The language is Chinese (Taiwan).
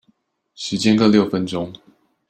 時間各六分鐘